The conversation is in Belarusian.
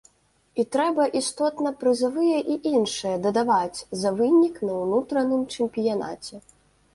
І трэба істотна прызавыя і іншае дадаваць за вынік на ўнутраным чэмпіянаце.